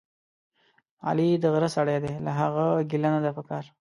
علي دغره سړی دی، له هغه ګیله نه ده پکار.